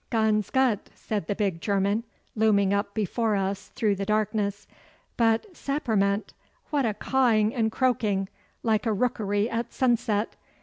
'Ganz gut,' said the big German, looming up before us through the darkness. 'But, sapperment, what a cawing and croaking, like a rookery at sunset!